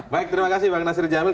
baik terima kasih bang nasir jamil